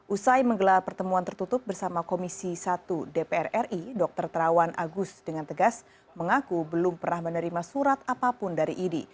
usai menggelar pertemuan tertutup bersama komisi satu dpr ri dr terawan agus dengan tegas mengaku belum pernah menerima surat apapun dari idi